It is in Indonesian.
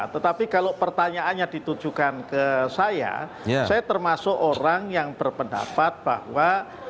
tetapi kalau pertanyaannya ditujukan ke saya saya termasuk orang yang berpendapat bahwa